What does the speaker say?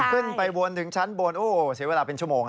ขึ้นไปวนถึงชั้นบนโอ้โหเสียเวลาเป็นชั่วโมง